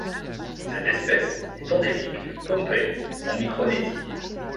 Cette espèce est endémique de Pohnpei en Micronésie.